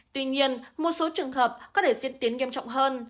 tuy nhiên một số trường hợp có thể diễn tiến nghiêm trọng hơn